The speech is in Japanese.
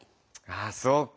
あそうか。